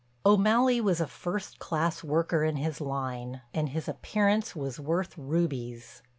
O'Malley was a first class worker in his line, and his appearance was worth rubies.